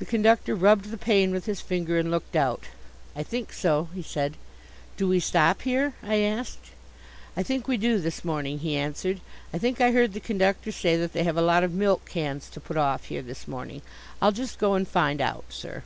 The conductor rubbed the pane with his finger and looked out. "I think so," he said. "Do we stop here?" I asked. "I think we do this morning," he answered. "I think I heard the conductor say that they have a lot of milk cans to put off here this morning. I'll just go and find out, sir."